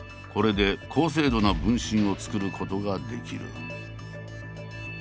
これで高精度な分身を作ることができる。